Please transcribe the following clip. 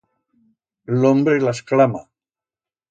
L'hombre las clama.